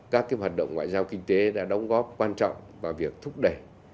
các hoạt động ngoại giao kinh tế đã đóng góp quan trọng vào việc thúc đẩy